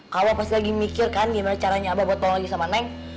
kalo abah pasti lagi mikir kan gimana caranya abah buat balik lagi sama neng